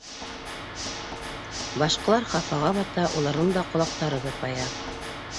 Башҡалар хафаға бата, уларҙың да ҡолаҡтары тырпая.